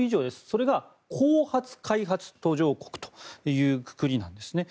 それが後発開発途上国というくくりなんですね。